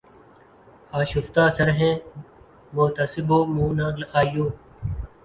آشفتہ سر ہیں محتسبو منہ نہ آئیو